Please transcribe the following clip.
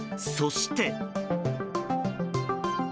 そして。